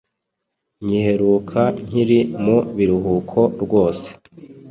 nyiheruka nkiri mu biruhuko rwose!